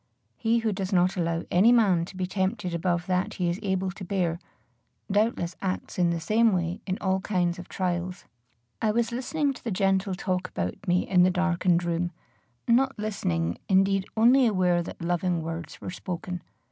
He who does not allow any man to be tempted above that he is able to bear, doubtless acts in the same way in all kinds of trials. I was listening to the gentle talk about me in the darkened room not listening, indeed, only aware that loving words were spoken.